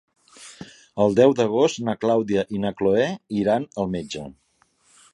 El deu d'agost na Clàudia i na Cloè iran al metge.